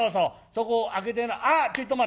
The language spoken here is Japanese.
そこ開けてなあっちょいと待て。